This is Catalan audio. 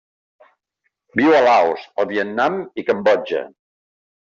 Viu a Laos, el Vietnam i Cambodja.